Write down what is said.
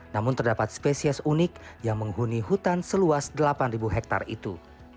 namun terdapat spesies unik yang menghuni hutan seluas delapan hektare itu